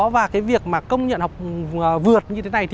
và việc công nhận học vượt như thế này